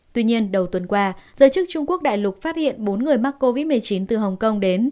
tuy nhiên đầu tuần qua giới chức trung quốc đại lục phát hiện bốn người mắc covid một mươi chín từ hồng kông đến